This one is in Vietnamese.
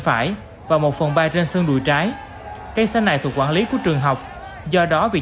phải và một phần ba trên sân đùi trái cây xanh này thuộc quản lý của trường học do đó việc